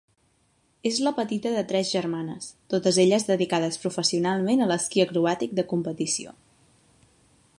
És la petita de tres germanes, totes elles dedicades professionalment a l'esquí acrobàtic de competició.